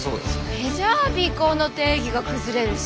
それじゃあ尾行の定義が崩れるし。